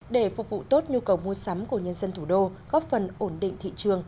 để phục vụ tốt nhu cầu mua sắm của nhân dân thủ đô góp phần ổn định thị trường